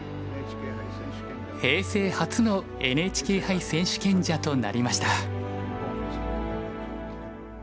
平成初のＮＨＫ杯選手権者となりました。